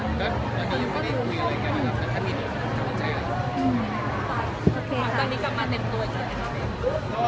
ตอนนี้มาเดินด้วย